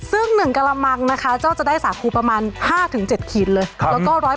ซึ่งหนึ่งกะละมังนะคะเจ้าจะได้สาคูประมาณ๕๗ขีดเลย